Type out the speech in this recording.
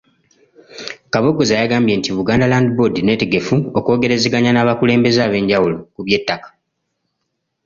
Kabogoza yagambye nti Buganda Land Board nneetegefu okwogerezeganya n’abakulembeze ab'enjawulo ku by'ettaka.